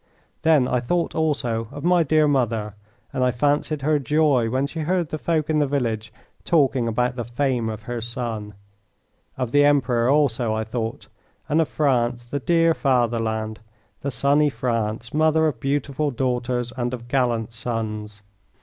Then I thought also of my dear mother, and I fancied her joy when she heard the folk in the village talking about the fame of her son. Of the Emperor also I thought, and of France, the dear fatherland, the sunny France, mother of beautiful daughters and of gallant sons.